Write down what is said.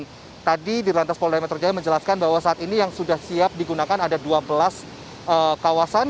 dan tadi di lantas pola metronik menjelaskan bahwa saat ini yang sudah siap digunakan ada dua belas kawasan